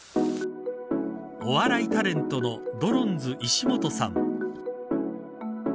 お笑いタレントのドロンズ石本さん。